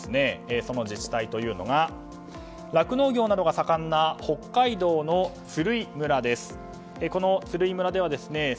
その自治体というのが酪農業などが盛んな北海道の鶴居村です。